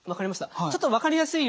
分かりました。